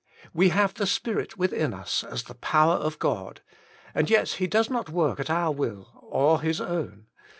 We have the Spirit within us as the power of God, and yet He does not work at our will or His own.